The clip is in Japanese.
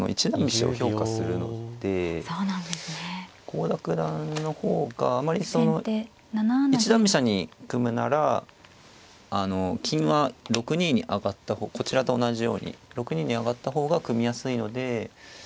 郷田九段の方があまりその一段飛車に組むなら金は６二に上がった方こちらと同じように６二に上がった方が組みやすいので。